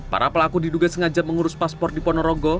para pelaku diduga sengaja mengurus paspor di ponorogo